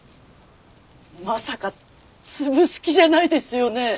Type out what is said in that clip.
まさか潰す気じゃないですよね？